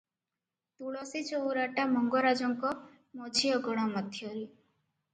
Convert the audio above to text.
ତୁଳସୀ ଚଉରାଟା ମଙ୍ଗରାଜଙ୍କ ମଝିଅଗଣା ମଧ୍ୟରେ ।